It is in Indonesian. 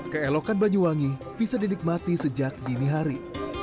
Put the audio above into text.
keelokan banyuwangi bisa dinikmati sejak dini hari